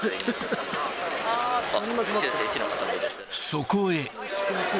そこへ。